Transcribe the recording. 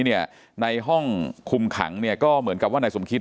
เนี่ยในห้องคุมขังเนี่ยก็เหมือนกับว่านายสมคิษฐ์เนี่ย